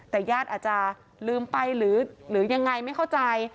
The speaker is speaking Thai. แต่ญาติอาจจะลืมไปหรือยังไงไม่เข้าใจ